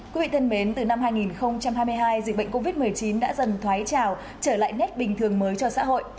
quý vị thân mến từ năm hai nghìn hai mươi hai dịch bệnh covid một mươi chín đã dần thoái trào trở lại nét bình thường mới cho xã hội